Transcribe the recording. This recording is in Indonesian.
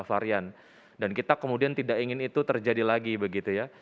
nah terkait dengan hal tersebut kita juga sangat sangat ingin itu terjadi lagi begitu ya